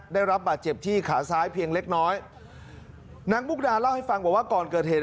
ได้รับบาดเจ็บที่ขาซ้ายเพียงเล็กน้อยนางมุกดาเล่าให้ฟังบอกว่าก่อนเกิดเหตุ